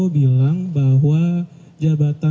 bilang bahwa jabatan